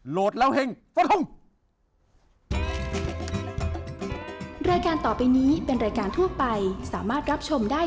โหลดแล้วเฮ่งสวัสดีครับ